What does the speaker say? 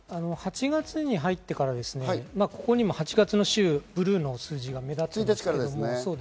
８月に入ってからここにも８月の週、ブルーの数字が目立っています。